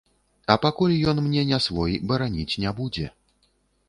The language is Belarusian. А пакуль ён мне не свой, бараніць не будзе.